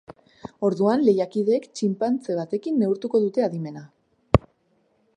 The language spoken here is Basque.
Orduan, lehiakideek txinpantze batekin neurtuko dute adimena.